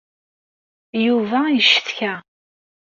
Yuba yeccetka.